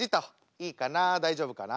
いいかな大丈夫かな？